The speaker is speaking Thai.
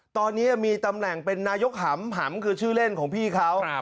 ตอนนี้มีตำแหน่งเป็นนายกหำคือชื่อเล่นของพี่เขา